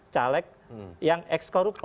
caleg yang ekskoruptor